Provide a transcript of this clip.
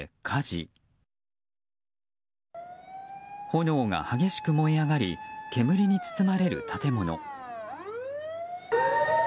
炎が激しく燃え上がり煙に包まれる建物。